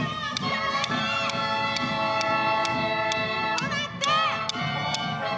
止まって！